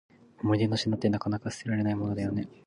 思い出の品って、なかなか捨てられないものだよね。